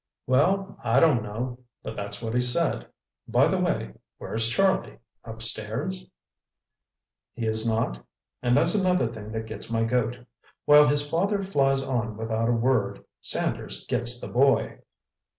"Well, I don't know—but that's what he said. By the way, where's Charlie—upstairs?" "He is not—and that's another thing that gets my goat. While his father flies on without a word—Sanders gets the boy!"